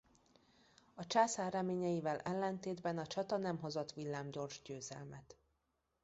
A császár reményeivel ellentétben a csata nem hozott villámgyors győzelmet.